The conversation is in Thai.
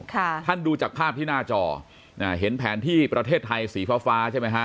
ท่านดูจากภาพที่หน้าจออ่าเห็นแผนที่ประเทศไทยสีฟ้าฟ้าใช่ไหมฮะ